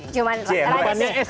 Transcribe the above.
cuma depannya s